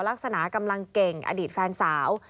ลักษณะกำลังเก่งอดีตแฟนสาว